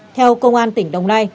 theo công an tỉnh đồng nai